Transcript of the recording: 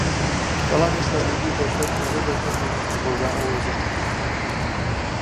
بەڵام ئێستا بە پێی دەرفەت مەلە دەکەم و رۆژانە وەرزش دەکەم